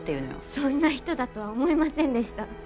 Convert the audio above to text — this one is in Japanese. そんな人だとは思いませんでした！